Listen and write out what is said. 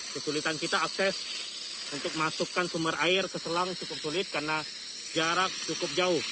kesulitan kita akses untuk masukkan sumber air ke selang cukup sulit karena jarak cukup jauh